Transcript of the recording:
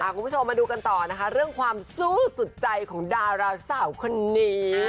คุณผู้ชมมาดูกันต่อนะคะเรื่องความสู้สุดใจของดาราสาวคนนี้